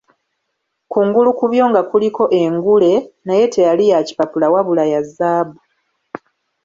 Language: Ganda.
Kungulu ku byo nga kuliko engule, naye teyali ya kipapula wabula ya zaabu.